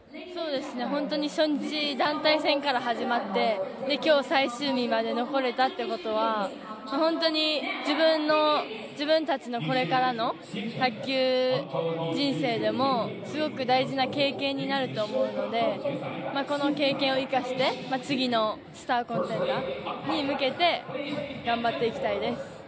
本当に初日、団体戦から始まって今日、最終日まで残れたってことは本当に自分たちのこれからの卓球人生でもすごく大事な経験になると思うのでこの経験を生かして次に向けて頑張っていきたいです。